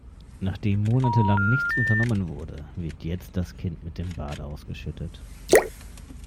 Nachdem monatelang nichts unternommen wurde, wird jetzt das Kind mit dem Bade ausgeschüttet.